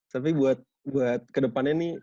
tapi buat kedepannya nih